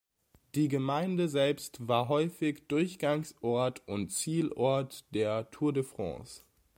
Die Gemeinde selbst war häufig Durchgangsort und Zielort der Tour de France.